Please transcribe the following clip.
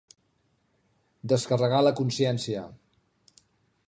Descarregar la consciència.